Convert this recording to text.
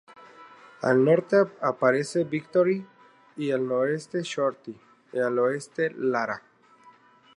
Al norte aparece Victory, al noroeste Shorty, y al oeste Lara.